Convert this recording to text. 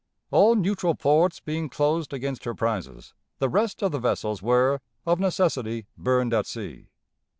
All neutral ports being closed against her prizes, the rest of the vessels were, of necessity, burned at sea.